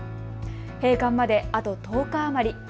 閉館まであと１０日余り。